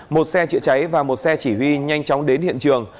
một xe chữa cháy và một xe chỉ huy nhanh chóng đến hiện trường